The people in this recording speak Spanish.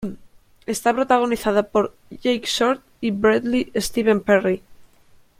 Está protagonizada por Jake Short y Bradley Steven Perry.